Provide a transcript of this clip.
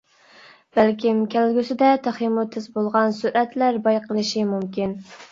بەلكىم كەلگۈسىدە تېخىمۇ تېز بولغان سۈرئەتلەر بايقىلىشى مۇمكىن.